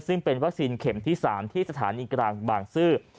ซึ่งเป็นวัคซีนเข็มที่๓ที่สถานีกลางบางซื่อ